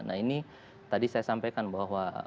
nah ini tadi saya sampaikan bahwa